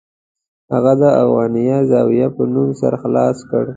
هغه د افغانیه زاویه په نوم سر خلاص کړ.